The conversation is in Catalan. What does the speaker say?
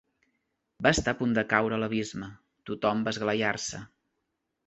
Va estar a punt de caure a l'abisme: tothom va esglaiar-se.